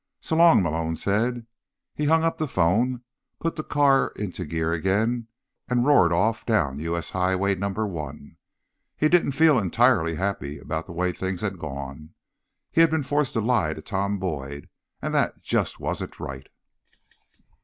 "So long," Malone said. He hung up the phone, put the car into gear again and roared off down U. S. Highway Number One. He didn't feel entirely happy about the way things had gone; he'd been forced to lie to Tom Boyd, and that just wasn't right.